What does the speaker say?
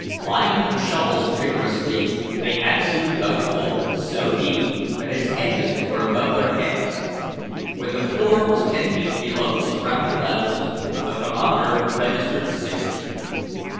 Plying their shovels vigorously, they had soon dug the hole so deep that its edges were above their heads. When the floor was ten feet below the surrounding level the thermometer registered sixty.